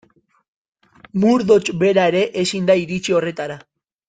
Murdoch bera ere ezin da iritsi horretara.